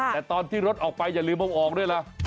แต่ตอนที่รถออกไปอย่าลืมเอาออกด้วยล่ะ